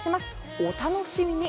お楽しみに。